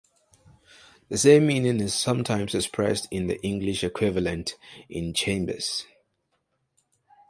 The same meaning is sometimes expressed in the English equivalent: in chambers.